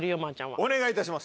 お願いいたします。